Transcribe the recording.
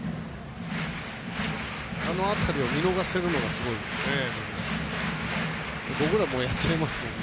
あの辺りを見逃せるのがすごいですね。